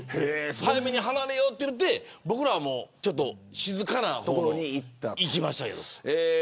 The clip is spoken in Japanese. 早めに離れようと言って僕らはちょっと静かな所に行きましたけど。